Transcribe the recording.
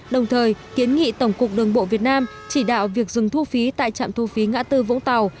đồng thời kiến nghị tổng cục đường bộ việt nam chỉ đạo việc dừng thu phí tại trạm thu phí ngã tư vũng tàu